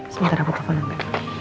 sebentar aku telfon angga